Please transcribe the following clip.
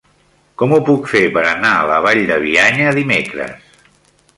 Com ho puc fer per anar a la Vall de Bianya dimecres?